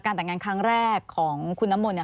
แต่งงานครั้งแรกของคุณน้ำมนต์เนี่ย